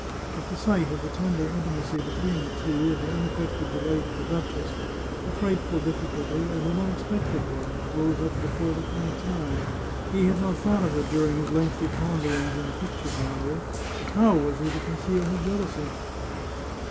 At the sight of the tender intimacy between the two, and the unaffected delight of the duchess, a frightful difficulty, and an unexpected one, rose up before the count's eyes ; he had not thought of it during his lengthy ponderings in the picture gallery. How was he to conceal his jealousy?